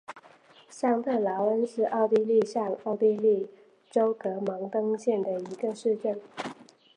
上特劳恩是奥地利上奥地利州格蒙登县的一个市镇。